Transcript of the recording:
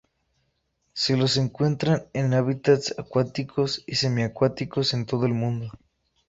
Se los encuentra en hábitats acuáticos y semiacuáticos en todo el mundo.